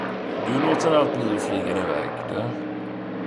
Du låter allt bli att flyga din väg, du